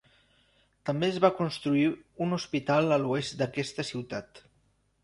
També es va construir un hospital a l'oest d'aquesta ciutat.